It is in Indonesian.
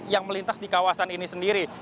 yang melintas di kawasan ini sendiri